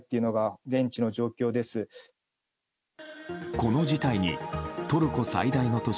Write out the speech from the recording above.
この事態に、トルコ最大の都市